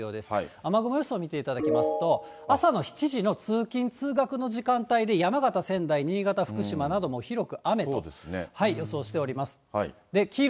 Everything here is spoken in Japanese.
雨雲予想を見ていただきますと、朝の７時の通勤・通学の時間帯で山形、仙台、新潟、福島など、広く雨を予想しております。